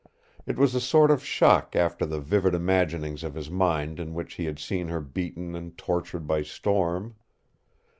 It was a sort of shock after the vivid imaginings of his mind in which he had seen her beaten and tortured by storm.